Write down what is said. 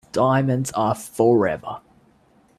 Diamonds are forever.